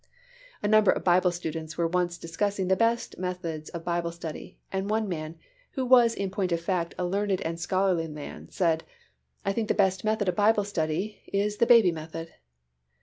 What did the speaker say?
A number of Bible students were once discussing the best methods of Bible study and one man, who was in point of fact a learned and scholarly man, said, "I think the best method of Bible study is the baby method."